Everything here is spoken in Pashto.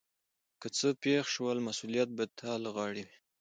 که څه پیښ شول مسؤلیت به تا له غاړې وي.